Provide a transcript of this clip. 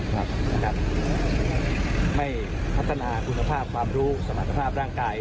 ถ้าท่านไม่พัฒนาคุณภาพความรู้สมรรถภาพร่างกาย